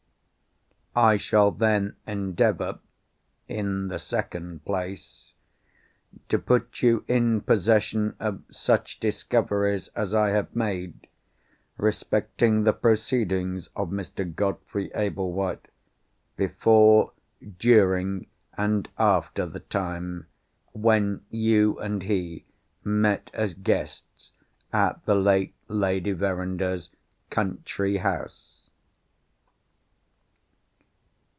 I shall then endeavour—in the second place—to put you in possession of such discoveries as I have made, respecting the proceedings of Mr. Godfrey Ablewhite, before, during and after the time, when you and he met as guests at the late Lady Verinder's country house.